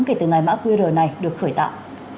kể từ ngày mã qr này được khởi tạo